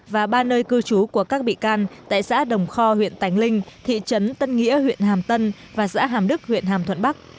và ba nơi cư trú của các bị can tại xã đồng kho huyện tánh linh thị trấn tân nghĩa huyện hàm tân và xã hàm đức huyện hàm thuận bắc